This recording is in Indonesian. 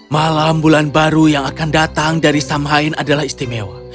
malam bulan baru yang akan datang dari samhain adalah istimewa